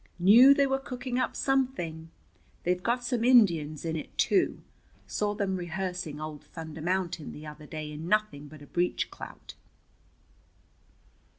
"Knew they were cooking up something. They've got some Indians in it too. Saw them rehearsing old Thunder Mountain the other day in nothing but a breech clout."